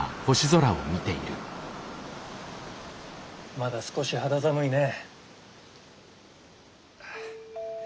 まだ少し肌寒いね。